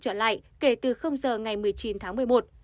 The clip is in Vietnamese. trở lại kể từ giờ ngày một mươi chín tháng một mươi một